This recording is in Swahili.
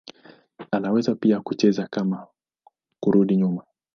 Anaweza pia kucheza kama kurudi nyuma.